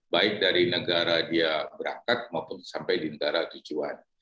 baik dari negara dia berangkat maupun sampai di negara tujuan